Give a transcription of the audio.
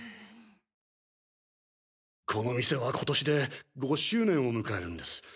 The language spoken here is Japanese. この店は今年で五周年を迎えるんです。